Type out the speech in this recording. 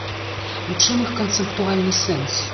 У чым іх канцэптуальны сэнс?